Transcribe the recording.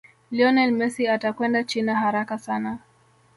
lionel Messi atakwenda china haraka sana